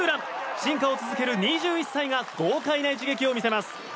進化を続ける２１歳が豪快な一撃を見せます。